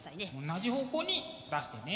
同じ方向に出してね。